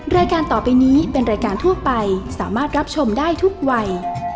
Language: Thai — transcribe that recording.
รายการต่อไปนี้เป็นรายการทั่วไปสามารถรับชมได้ทุกวัย